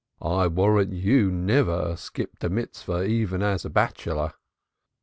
"I warrant you never skipped a Mitzvah even as a bachelor."